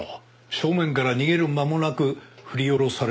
正面から逃げる間もなく振り下ろされたものとみていい。